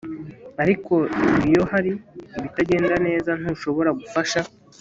ariko iyo hari ibitagenda neza, ntushobora gufasha